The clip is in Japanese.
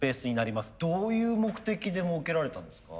どういう目的で設けられたんですか？